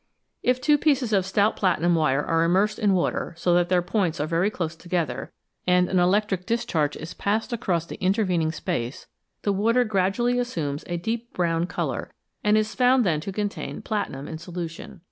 If two pieces of stout platinum wire are immersed in water so that their points are very close together, and an electric discharge is passed across the intervening space, the water gradually assumes a deep brown colour, and is found then to contain platinum in solution.